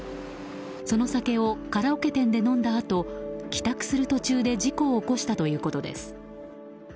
その酒をカラオケ店で飲んだあと帰宅する途中で事故を起こしたということです。